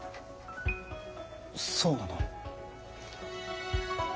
そうなの？